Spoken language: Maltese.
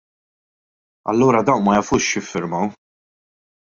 Allura dawn ma jafux x'iffirmaw!